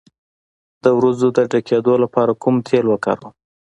د وروځو د ډکیدو لپاره کوم تېل وکاروم؟